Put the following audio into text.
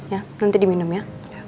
ya nanti diminum ya